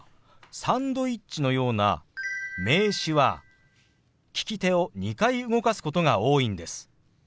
「サンドイッチ」のような名詞は利き手を２回動かすことが多いんです。